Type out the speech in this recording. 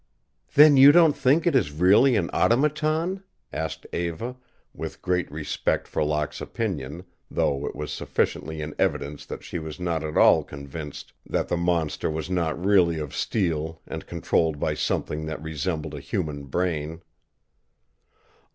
"Then you don't think it is really an automaton?" asked Eva, with great respect for Locke's opinion, though it was sufficiently in evidence that she was not at all convinced that the monster was not really of steel and controlled by something that resembled a human brain.